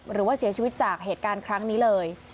หรือว่าเสียชีวิตจากเหตุการณ์ครั้งนี้เลย